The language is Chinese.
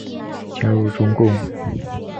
加入中共。